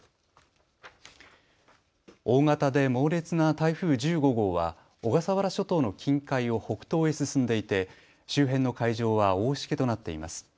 大型で猛烈な台風１５号は小笠原諸島の近海を北東へ進んでいて周辺の海上は大しけとなっています。